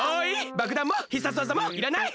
ばくだんも必殺技もいらない。